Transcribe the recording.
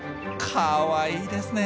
かわいいですね。